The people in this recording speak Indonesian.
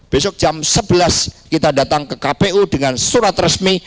besok jam sebelas kita datang ke kpu dengan surat resmi